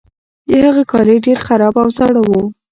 د هغه کالي ډیر خراب او زاړه وو.